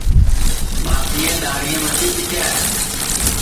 ٻاسئیں دؔاڑھیں متی پیٹے